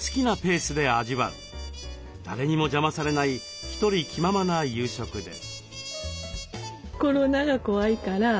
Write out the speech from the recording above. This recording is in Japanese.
誰にも邪魔されないひとり気ままな夕食です。